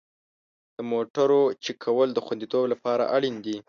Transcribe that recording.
د موټرو چک کول د خوندیتوب لپاره اړین دي.